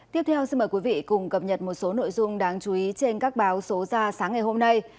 tiếp theo xin mời quý vị cùng cập nhật một số nội dung đáng chú ý trên các báo số ra sáng ngày hôm nay